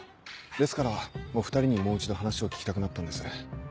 ですからお２人にもう一度話を聞きたくなったんです。